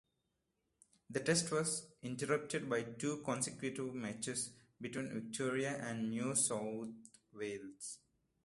The Tests were interrupted by two consecutive matches between Victoria and New South Wales.